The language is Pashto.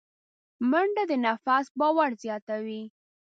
منډه د نفس باور زیاتوي